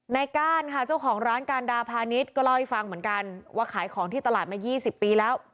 ก้านค่ะเจ้าของร้านการดาพาณิชย์ก็เล่าให้ฟังเหมือนกันว่าขายของที่ตลาดมา๒๐ปีแล้ว